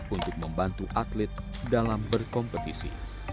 untuk membantu atlet dalam berkompetisi